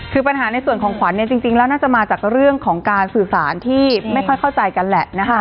คือปัญหาในส่วนของขวัญน่าจะมาจากเรื่องของการสื่อสารที่ไม่ค่อยเข้าใจกันแหละ